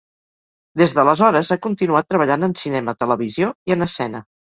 Des d’aleshores ha continuat treballant en cinema, televisió i en escena.